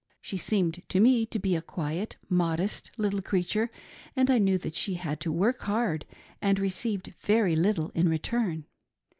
She seemed to me to be a quiet, modest little creature, and I knew that she had to work hard and received very little in return.